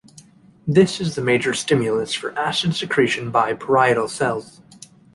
This is the major stimulus for acid secretion by parietal cells.